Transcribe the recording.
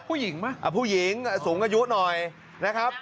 ผู้หญิงป่ะผู้หญิงสูงอายุหน่อยนะครับ